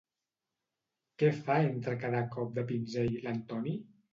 Què fa entre cada cop de pinzell l'Antoni?